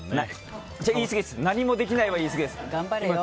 何もできないは言い過ぎです！